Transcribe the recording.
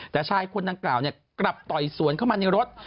แต่ชายคนดังกล่าวกลับต่อยสวนเข้ามาในรถ